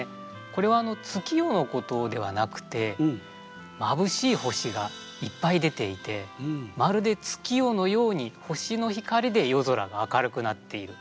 これは月夜のことではなくてまぶしい星がいっぱい出ていてまるで月夜のように星の光で夜空が明るくなっている。